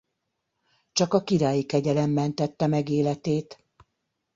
Csak a királyi kegyelem mentette meg életét.